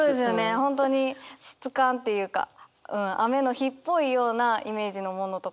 本当に湿感っていうか雨の日っぽいようなイメージのものとかも多くて。